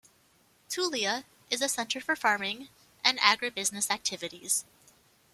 Tulia is a center for farming and agribusiness activities.